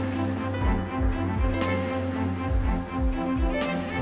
ทุกคนพร้อมแล้วขอเสียงปลุ่มมือต้อนรับ๑๒สาวงามในชุดราตรีได้เลยค่ะ